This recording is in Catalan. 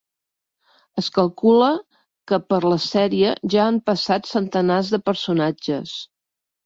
Es calcula que per la sèrie ja han passat centenars de personatges.